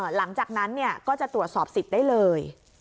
หลังจากนั้นก็จะตรวจสอบสิทธิ์ได้เลย